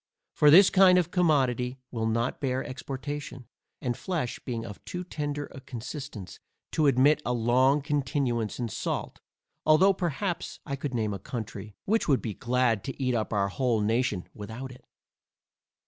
For this kind of commodity will not bear exportation, and flesh being of too tender a consistence, to admit a long continuance in salt, although perhaps I could name a country, which would be glad to eat up our whole nation without it.